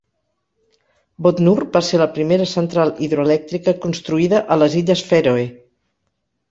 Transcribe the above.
Botnur va ser la primera central hidroelèctrica construïda a les illes Fèroe.